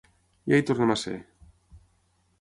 Ja hi tornem a ser.